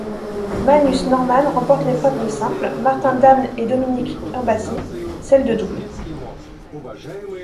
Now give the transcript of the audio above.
Magnus Norman remporte l'épreuve de simple, Martin Damm et Dominik Hrbatý celle de double.